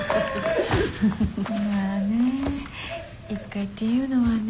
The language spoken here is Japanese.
まぁね１階っていうのはね